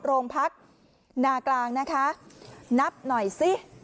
โรงพักนากลางนะคะนับหน่อยสิ